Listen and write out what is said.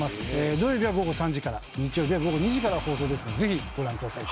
土曜日は午後３時から日曜日は午後２時から放送ですのでぜひご覧ください。